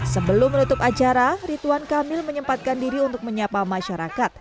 sebelum menutup acara rituan kamil menyempatkan diri untuk menyapa masyarakat